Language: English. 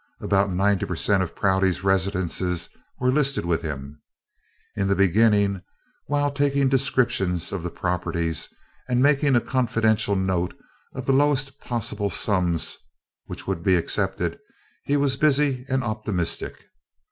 About ninety per cent of Prouty's residences were listed with him. In the beginning, while taking descriptions of the properties and making a confidential note of the lowest possible sums which would be accepted, he was busy and optimistic.